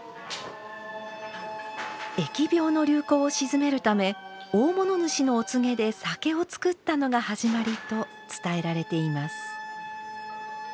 疫病の流行を鎮めるため大物主のお告げで酒を造ったのが始まりと伝えられています。